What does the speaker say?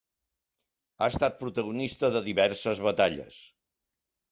Ha estat protagonista de diverses batalles.